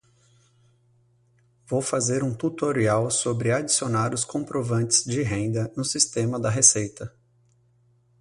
Vou fazer um tutorial sobre adicionar os comprovantes de renda no sistema da Receita